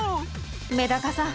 メダカさん